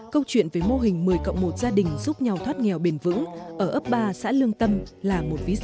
câu chuyện về mô hình một mươi cộng một gia đình giúp nhau thoát nghèo bền vững ở ấp ba xã lương tâm là một ví dụ